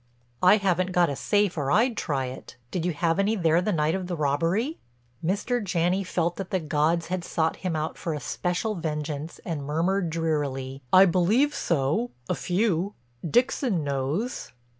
"I haven't got a safe or I'd try it. Did you have any there the night of the robbery?" Mr. Janney felt that the gods had sought him out for a special vengeance and murmured drearily: "I believe so—a few. Dixon knows."